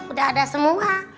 udah ada semua